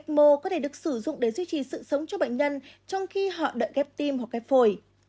ecmo có thể được sử dụng để duy trì sự sống cho bệnh nhân trong khi họ đợi kép tim hoặc kép phổi